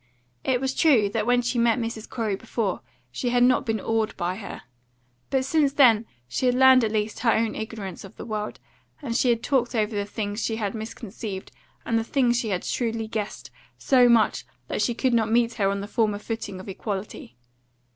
It was true that when she met Mrs. Corey before she had not been awed by her; but since then she had learned at least her own ignorance of the world, and she had talked over the things she had misconceived and the things she had shrewdly guessed so much that she could not meet her on the former footing of equality.